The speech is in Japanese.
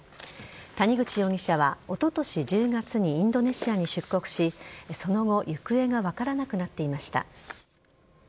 谷口容疑者はおととし１０月にインドネシアに出国しその後行方が分からなくなっていました。